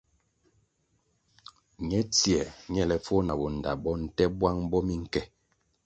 Ñe tsiē ñelepfuo na bo ndta bo, nte bwang bo minke.